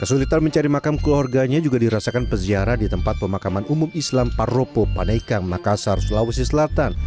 kesulitan mencari makam keluarganya juga dirasakan peziarah di tempat pemakaman umum islam paropo panaikang makassar sulawesi selatan